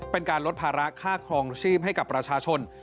เป็นการลดภาระค่าครองชีพให้กับประชาชน